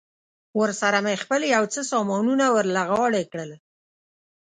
ورسره مې خپل یو څه سامانونه ور له غاړې کړل.